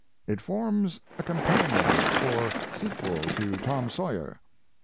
It forms a companion or sequel to Tom Sawyer.